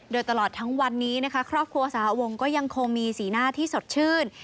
โดยตลอดทั้งวันนี้นะคะครอบครัวสหวงก็ยังคงมีสีหน้าที่สดชื่น